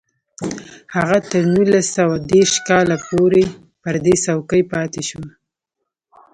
هغه تر نولس سوه دېرش کال پورې پر دې څوکۍ پاتې شو